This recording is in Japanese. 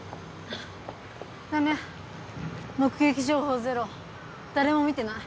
ダメ目撃情報ゼロ誰も見てない。